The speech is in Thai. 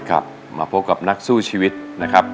ครับมาพบกับนักสู้ชีวิตนะครับ